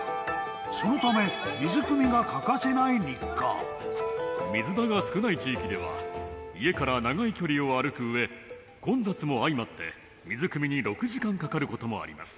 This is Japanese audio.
そのため、水くみが欠かせない日水場が少ない地域では、家から長い距離を歩くうえ、混雑も相まって、水くみに６時間かかることもあります。